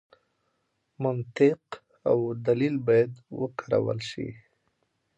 منطق او دلیل باید وکارول شي.